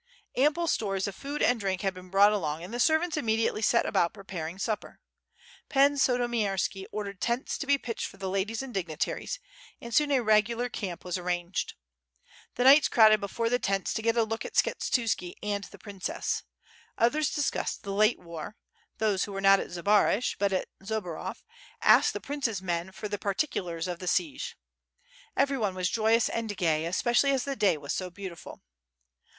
Ample stores of food and drink had been brought along and the servants immediately set about preparing supper. Pan Sandomierski ordered tents to be pitched for the ladies and dignitaries, and soon a regular camp was arranged. The knights crowded before the tents to get a look at Skshetuski and the princess. Others dis cussed the late war; those who were not at Zbaraj, but at Zborov, asked the prince's men for the particulars of the siege. Everyone was joyous and gay, especielly as the day was so beautiful.